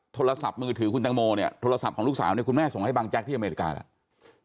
โทรศัพท์มือถือคุณตังโมเนี่ยโทรศัพท์ของลูกสาวเนี่ยคุณแม่ส่งให้บังแจ๊กที่อเมริกาแล้ว